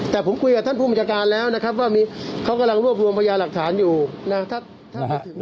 แต่ผมคุยกับผู้บัญชากานแล้วนะครับว่ามีเขากำลังนวบหลวงประหย่าหลักฐานอยู่